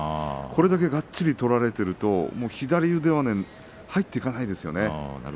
これだけがっちり取られていると左腕は入っていかないですよね。